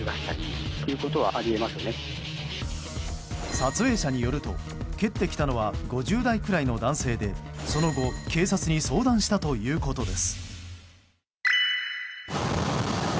撮影者によると蹴ってきたのは５０代くらいの男性でその後、警察に相談したということです。